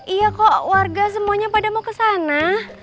iya kok warga semuanya pada mau kesana